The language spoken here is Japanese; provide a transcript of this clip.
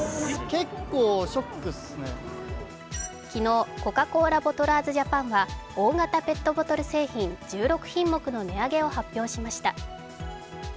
昨日コカ・コーラボトラーズジャパンは大型ペットボトル製品１６品目の値上げを発表しました。